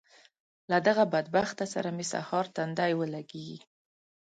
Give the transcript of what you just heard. له دغه بدبخته سره مې سهار تندی ولګېږي.